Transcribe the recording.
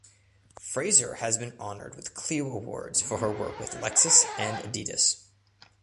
Fraser has been honored with Clio awards for her work with Lexus and Adidas.